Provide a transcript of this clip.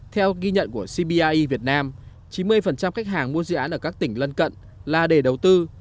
theo ghi nhận của cbie việt nam chín mươi khách hàng mua dự án ở các tỉnh lân cận là để đầu tư